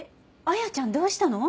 亜矢ちゃんどうしたの？